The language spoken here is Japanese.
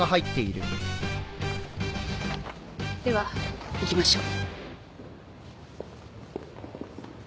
では行きましょう。